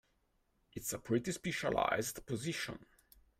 It's a pretty specialized position.